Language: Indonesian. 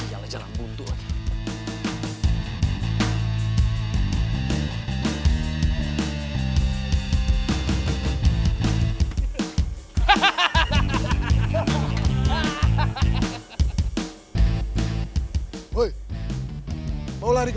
dan tuhan untuk nuestro